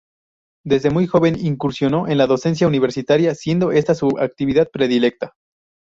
Desde muy joven incursionó en la docencia universitaria, siendo esta su actividad predilecta.